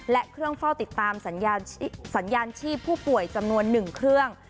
และเครื่องเฝ้าติดตามสัญญาณชีพผู้ป่วยจำนวน๑เครื่อง